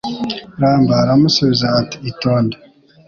Ramba aramusubiza ati itonde